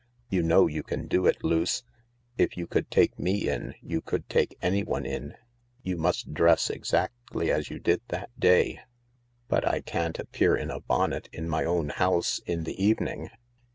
You know you can do it, Luce. If you could take me in you could take anyone in. You must dress exactly as you did that day." 236 THE LARK " But I can't appear in a bonnet, in my own house, in the evening